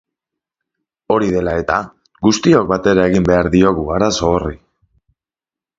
Hori dela eta, guztiok batera egin behar diogu arazo horri.